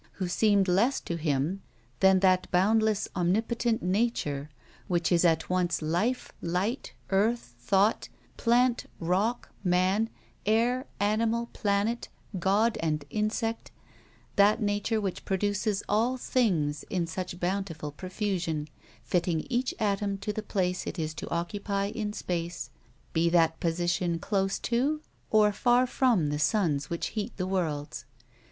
Who seemed less to him than that boundless omnipotent nature, which is at once life, light, earth, thought, plant, rock, man, air, animal, planet, god and insect, that nature which produces all things in such bountiful profusion, fitting each atom to the place it is to occupy in space, be that position close to or far from the suns which heat the worlds.